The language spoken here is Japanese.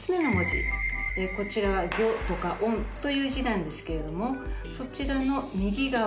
こちらは「ぎょ」とか「おん」という字なんですけれどもそちらの右側